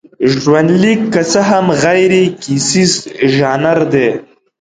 ژوندلیک که څه هم غیرکیسیز ژانر دی.